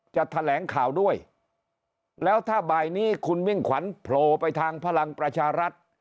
จะแถลงข่าวด้วยแล้วถ้าบ่ายนี้คุณมิ่งขวัญโผล่ไปทางพลังประชารัฐ